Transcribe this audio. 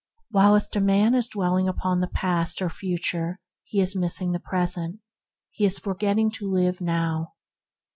While a man is dwelling upon the past or future he is missing the present; he is forgetting to live now.